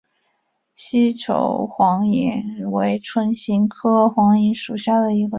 西畴黄芩为唇形科黄芩属下的一个种。